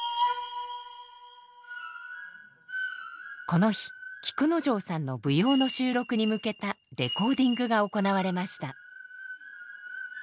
この日菊之丞さんの舞踊の収録に向けたレコーディングが行われました。